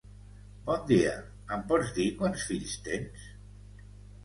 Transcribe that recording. Bon dia, em pots dir quants fills tens?